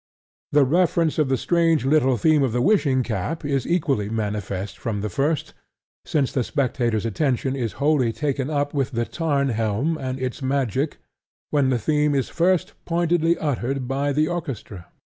The reference of the strange little theme of the wishing cap is equally manifest from the first, since the spectator's attention is wholly taken up with the Tarnhelm and its magic when the theme is first pointedly uttered by the orchestra.